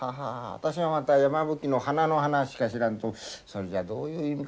私はまた山吹の花の話かしらんとそれじゃどういう意味かなと思ったりした。